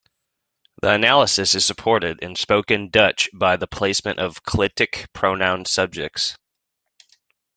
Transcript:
The analysis is supported in spoken Dutch by the placement of clitic pronoun subjects.